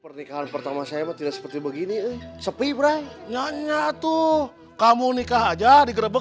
pernikahan pertama saya tidak seperti begini sepi bra nya tuh kamu nikah aja digerebek